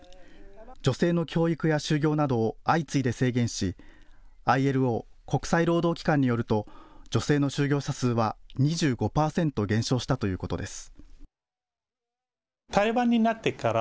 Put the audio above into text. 女性の教育や就業などを相次いで制限しＩＬＯ・国際労働機関によると女性の就業者数は２５％減少したということです。